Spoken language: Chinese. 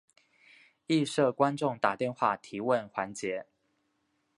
亦设观众打电话提问环节。